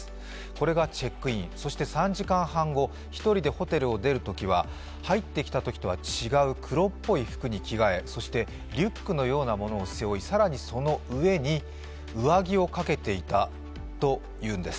これがチェックインそして３時間半後、１人でホテルを出るときは入ってきたときとは違う黒っぽい服に着替え、リュックのようなものを背負い、更にその上に上着をかけていたというんです。